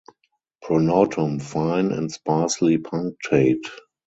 Pronotum fine and sparsely punctate.